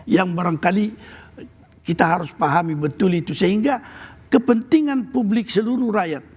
yang barangkali kita harus pahami betul itu sehingga kepentingan publik seluruh rakyat